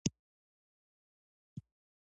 نه ثبات پرېږدي چې پر خپل بنیاد ودان شي.